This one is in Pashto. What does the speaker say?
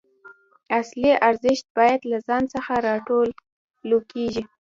اصلي ارزښت باید له ځان څخه راټوکېږي.